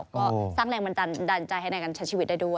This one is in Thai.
ก็สร้างแรงบันดาลใจให้ในการใช้ชีวิตได้ด้วย